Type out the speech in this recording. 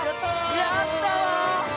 やったわ！